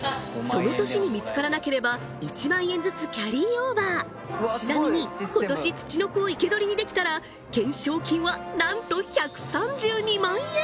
その年に見つからなければ１万円ずつキャリーオーバーちなみに今年ツチノコを生け捕りにできたら懸賞金はなんと１３２万円！